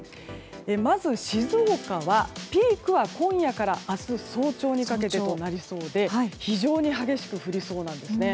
まず、静岡はピークは今夜から明日早朝にかけてとなりそうで非常に激しく降りそうなんですね。